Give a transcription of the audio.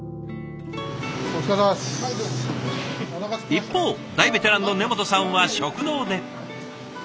一方大ベテランの根本さんは食堂で。